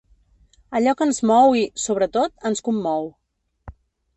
Allò que ens mou i, sobretot, ens commou.